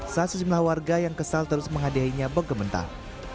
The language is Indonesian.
saat sejumlah warga yang kesal terus menghadiahinya bergementar